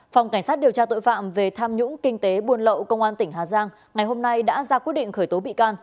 phòng cảnh sát điều tra tội phạm về tham nhũng kinh tế buôn lậu công an tỉnh hà giang ngày hôm nay đã ra quyết định khởi tố bị can